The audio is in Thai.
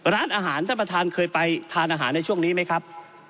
ร้านอาหารท่านประธานเคยไปทานอาหารในช่วงนี้ไหมครับ